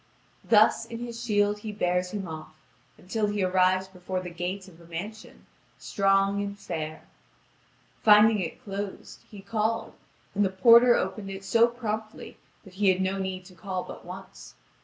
Thus, in his shield he bears him off, until he arrives before the gate of a mansion, strong and fair. Finding it closed, he called, and the porter opened it so promptly that he had no need to call but once.